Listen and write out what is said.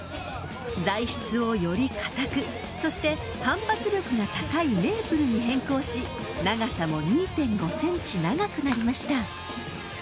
材質をより硬くそして反発力が高いメープルに変更し長さも２．５ｃｍ長くなりました。